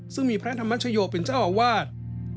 ซึ่งมีพระธรรมชโยเป็นเจ้าอาวาส